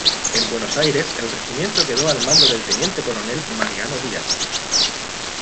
En Buenos Aires el regimiento quedó al mando del teniente coronel Mariano Díaz.